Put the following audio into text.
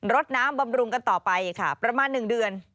ดน้ำบำรุงกันต่อไปค่ะประมาณ๑เดือน